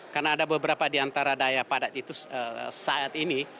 karena ada beberapa di antara daerah padat itu saat ini